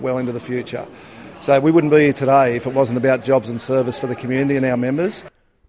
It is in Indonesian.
jadi kita tidak akan berada di sini hari ini jika tidak berkaitan dengan pekerjaan dan perusahaan untuk masyarakat dan para anggota